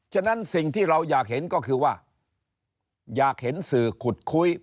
ฉะนั้นสิ่งที่เราอยากเห็นก็คือว่าอยากเห็นสื่อขุดคุย